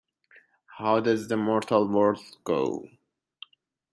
How does the mortal world go?